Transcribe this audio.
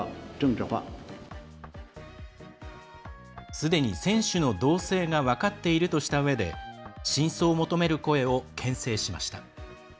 すでに、選手の動静が分かっているとしたうえで真相を求める声をけん制しました。